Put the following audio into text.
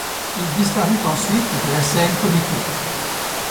Il disparut ensuite de la scène politique.